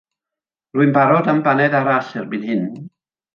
Rwy'n barod am baned arall erbyn hyn.